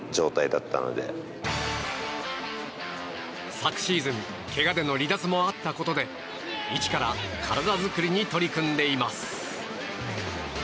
昨シーズンけがでの離脱もあったことで一から体作りに取り組んでいます。